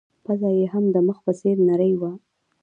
پزه يې هم د مخ په څېر نرۍ وه.